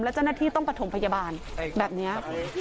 แล้วเจ้าหน้าที่ต้องประถมพยาบาลแบบนี้